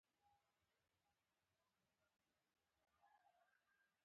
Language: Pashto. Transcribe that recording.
یوازې زما خبرې اغېزه نه کوي.